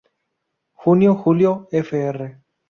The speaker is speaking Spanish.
Junio-julio, fr.